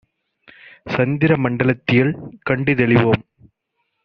சந்திரமண் டலத்தியல் கண்டுதெளி வோம்